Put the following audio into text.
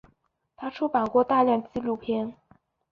他出版过大量纪录片。